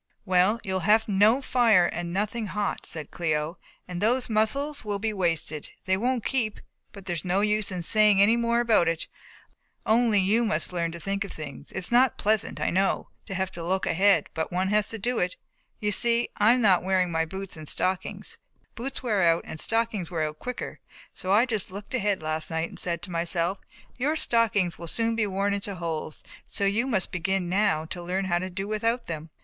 "Well, you will have no fire and nothing hot," said Cléo, "and those mussels will be wasted they won't keep, but there's no use in saying any more about it only you must learn to think of things. It's not pleasant, I know, to have to look ahead but one has to do it. You see I am not wearing my boots and stockings, boots wear out and stockings wear out quicker, so I just looked ahead last night and said to myself 'your stockings will soon be worn into holes, so you must begin now to learn to do without them.'